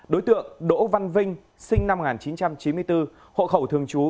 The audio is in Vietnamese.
đối tượng đỗ văn vinh sinh năm một nghìn chín trăm chín mươi bốn hộ khẩu thường trú